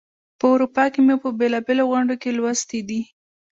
په اروپا کې مي په بېلو بېلو غونډو کې لوستې دي.